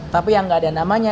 tapi yang gak ada namanya